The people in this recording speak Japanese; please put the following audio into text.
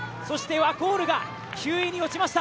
ワコールが９位に落ちました。